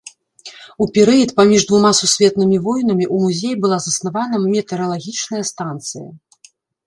У перыяд паміж двума сусветнымі войнамі ў музеі была заснавана метэаралагічная станцыя.